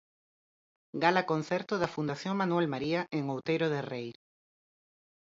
Gala concerto da Fundación Manuel María en Outeiro de Rei.